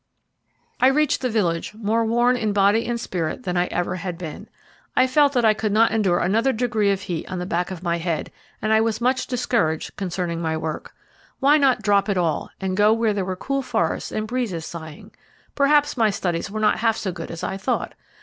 I reached the village more worn in body and spirit than I ever had been. I felt that I could not endure another degree of heat on the back of my head, and I was much discouraged concerning my work. Why not drop it all, and go where there were cool forests and breezes sighing? Perhaps my studies were not half so good as I thought!